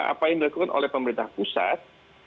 apa yang dilakukan oleh pemerintah pusat